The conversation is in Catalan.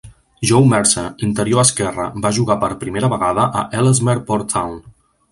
Joe Mercer, interior esquerre, va jugar per primera vegada a Ellesmere Port Town.